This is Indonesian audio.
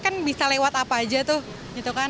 kan bisa lewat apa aja